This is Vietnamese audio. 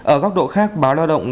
ở góc độ khác báo lao động